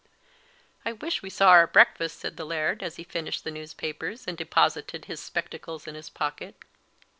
"I wish we saw our breakfast," said the Laird, as he finished the newspapers, and deposited his spectacles in his pocket.